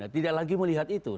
tidak lagi melihat itu